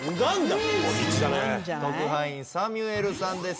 特派員サミュエルさんです。